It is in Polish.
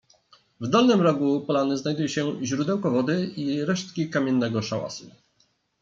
W dolnym rogu polany znajduje się źródełko wody i resztki kamiennego szałasu.